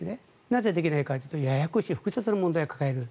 なぜ、できないかというとややこしい複雑な問題を抱える。